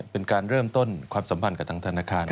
เป็นการเริ่มต้นความสัมพันธ์กับทางธนาคาร